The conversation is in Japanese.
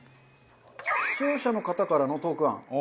視聴者の方からのトーク案。